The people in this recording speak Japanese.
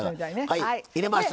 はい入れました。